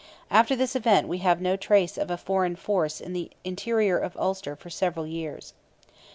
After this event we have no trace of a foreign force in the interior of Ulster for several years.